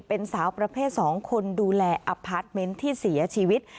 เป็นสาวประเภท๒คนดูแลอพาร์ทเมนต์ที่เสียชีวิต